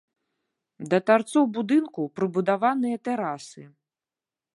Да тарцоў будынку прыбудаваныя тэрасы.